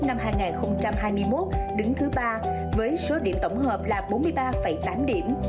năm hai nghìn hai mươi một đứng thứ ba với số điểm tổng hợp là bốn mươi ba tám điểm